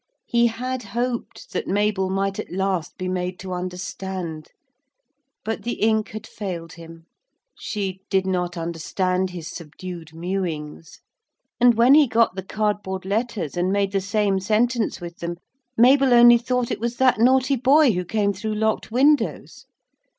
He had hoped that Mabel might at last be made to understand, but the ink had failed him; she did not understand his subdued mewings, and when he got the cardboard letters and made the same sentence with them Mabel only thought it was that naughty boy who came through locked windows.